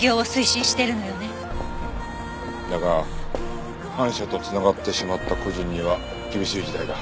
だが反社と繋がってしまった個人には厳しい時代だ。